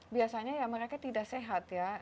biasanya ya mereka tidak sehat ya